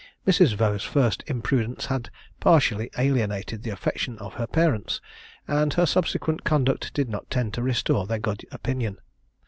Mrs. Vaux's first imprudence had partially alienated the affections of her parents, and her subsequent conduct did not tend to restore their good opinion.